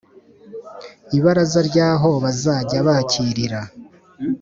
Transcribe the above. Ibaraza ry aho bazajya bakirira